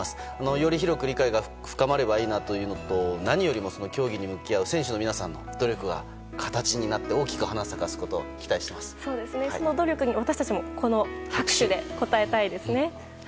より広く理解が深まればいいなというのと何よりも競技に向き合う選手の皆さんの努力が形になって大きく花を咲かすことをその努力に私たちも拍手で応えたいですね。